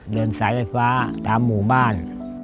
เดินสายไฟฟ้าตามหมู่บ้าน